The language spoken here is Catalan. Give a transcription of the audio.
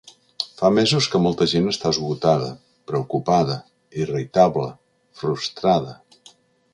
Fa mesos que molta gent està esgotada, preocupada, irritable, frustrada.